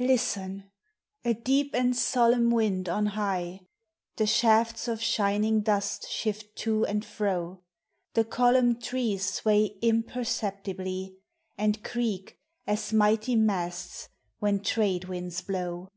Listen ! A deep and solemn wind on high ; The shafts of shining dust shift to and fro; TREES: FLOWERS: PLANTS. 237 5The columned trees sway imperceptibly, And creak as mighty masts when trade winds blow.